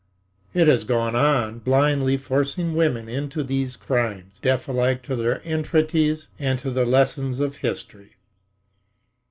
It has gone on blindly forcing women into these "crimes," deaf alike to their entreaties and to the lessons of history.